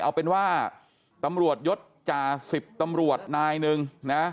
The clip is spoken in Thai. เอาเป็นว่าตำรวจยศจ่าสิบตำรวจนายหนึ่งนะ